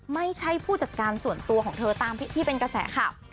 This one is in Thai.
ไม่ใช่ผู้จัดการส่วนตัวของเธอตามที่เป็นกระแสข่าว